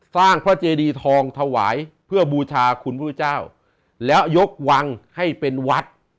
พระเจดีทองถวายเพื่อบูชาคุณพระพุทธเจ้าแล้วยกวังให้เป็นวัด